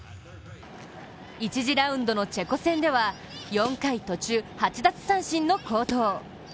１次ラウンドのチェコ戦では４回途中８奪三振の好投。